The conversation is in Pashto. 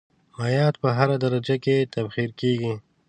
مایعات په هره درجه کې تبخیر کیږي.